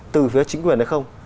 từ phía chính quyền hay không